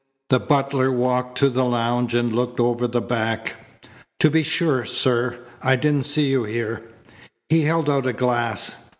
The butler walked to the lounge and looked over the back. "To be sure, sir. I didn't see you here." He held out a glass.